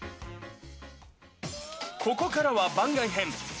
ここからは番外編。